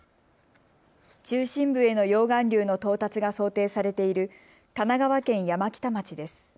中心部への溶岩流の到達が想定されている神奈川県山北町です。